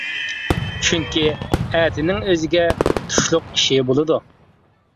چۈنكى ئەتىنىڭ ئۆزىگە تۇشلۇق ئىشى بولىدۇ.